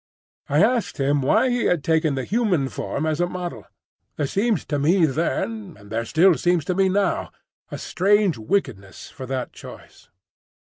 I asked him why he had taken the human form as a model. There seemed to me then, and there still seems to me now, a strange wickedness for that choice.